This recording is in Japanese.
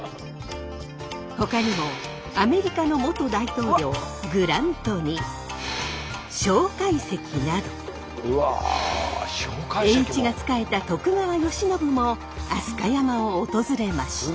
ほかにもアメリカの元大統領グラントに蒋介石など栄一が仕えた徳川慶喜も飛鳥山を訪れました。